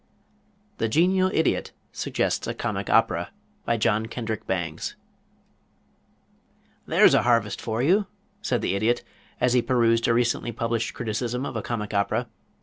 ] THE GENIAL IDIOT SUGGESTS A COMIC OPERA BY JOHN KENDRICK BANGS "There's a harvest for you," said the Idiot, as he perused a recently published criticism of a comic opera.